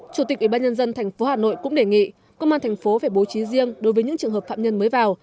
chủ tịch ủy ban nhân dân tp hà nội cũng đề nghị công an thành phố phải bố trí riêng đối với những trường hợp phạm nhân mới vào